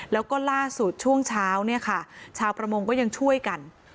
แล้วก็ล่าสุดช่วงเช้าเนี่ยค่ะชาวประมงก็ยังช่วยกัน